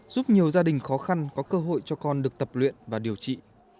giúp nhiều gia đình khó khăn có cơ hội cho con được tập luyện và điều trị